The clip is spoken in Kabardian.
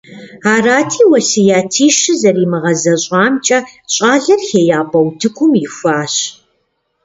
Арати уэсятищыр зэримыгъэзэщӀамкӏэ щӀалэр ХеяпӀэ утыкӀум ихуащ.